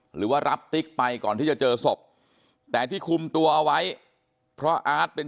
หรือว่ารับติ๊กไปก่อนที่จะเจอศพแต่ที่คุมตัวเอาไว้เพราะอาร์ตเป็น